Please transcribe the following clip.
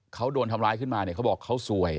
เขาโดนทำร้ายขึ้นมาเนี่ยเขาบอกเขาสวย